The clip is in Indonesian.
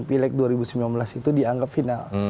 pileg dua ribu sembilan belas itu dianggap final